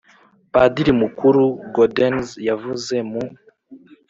padiri mukuru gaudens yavuze mu